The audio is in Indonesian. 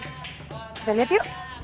kita lihat yuk